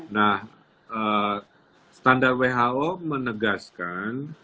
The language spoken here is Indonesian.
nah standar who menegaskan